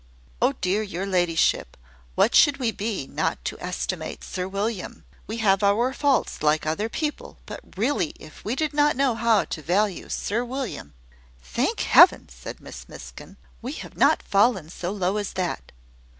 "Oh dear, your ladyship! what should we be, not to estimate Sir William? We have our faults, like other people: but really, if we did not know how to value Sir William " "Thank Heaven!" said Miss Miskin, "we have not fallen so low as that.